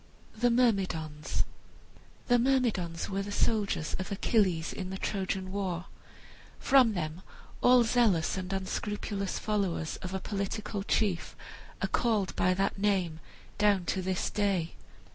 THE MYRMIDONS The Myrmidons were the soldiers of Achilles, in the Trojan war. From them all zealous and unscrupulous followers of a political chief are called by that name, down to this day.